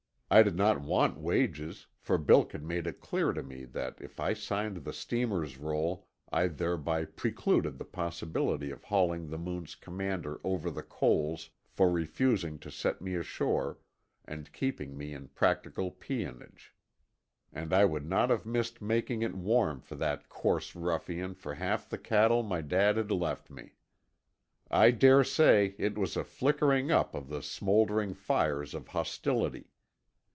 I did not want wages, for Bilk had made it clear to me that if I signed the steamer's roll I thereby precluded the possibility of hauling the Moon's commander over the coals for refusing to set me ashore and keeping me in practical peonage, and I would not have missed making it warm for that coarse ruffian for half the cattle my dad had left me. I dare say it was a flickering up of the smoldering fires of hostility.